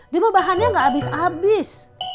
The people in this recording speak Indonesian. dia mah bahannya gak abis abis